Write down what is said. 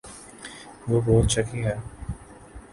وہ بہت شکی ہے